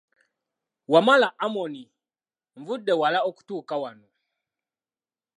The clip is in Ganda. Wamala Amon nvudde wala okutuuka wano.